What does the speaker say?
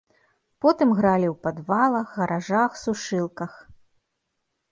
Потым гралі ў падвалах, гаражах, сушылках.